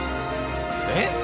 えっ？